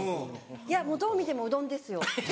いやもうどう見てもうどんですよ。